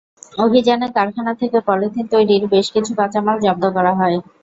অভিযানে কারখানা থেকে পলিথিন তৈরির বেশ কিছু কাঁচামাল জব্দ করা হয়।